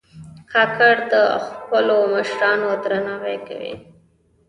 کاکړ د خپلو مشرانو درناوی کوي.